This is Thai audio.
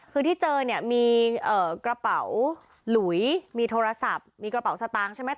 คือที่เจอเนี่ยมีกระเป๋าหลุยมีโทรศัพท์มีกระเป๋าสตางค์ใช่ไหม